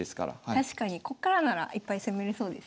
確かにこっからならいっぱい攻めれそうですね。